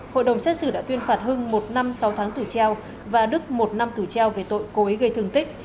hội đồng xét xử đã tuyên phạt hưng một năm sáu tháng tù treo và đức một năm tù treo về tội cố ý gây thương tích